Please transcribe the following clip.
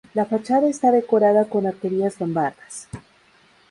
La fachada está decorada con arquerías lombardas.